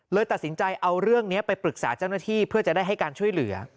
ตัดสินใจเอาเรื่องนี้ไปปรึกษาเจ้าหน้าที่เพื่อจะได้ให้การช่วยเหลือ